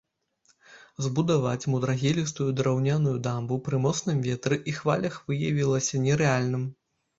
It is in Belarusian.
Збудаваць мудрагелістую драўняную дамбу пры моцным ветры і хвалях выявілася нерэальным.